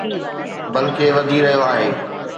بلڪه، وڌي رهيو آهي